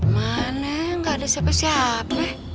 mana gak ada siapa siapa